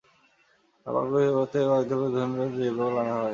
Park প্রতিষ্ঠার পর থেকে কয়েক ধাপে দক্ষিণ আফ্রিকা থেকে জেব্রাগুলো আনা হয়।